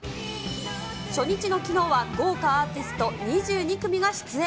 初日のきのうは豪華アーティスト２２組が出演。